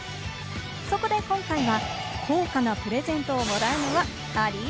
そこで今回は高価なプレゼントをもらうのは、あり？